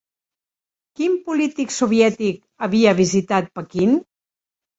Quin polític soviètic havia visitat Pequín?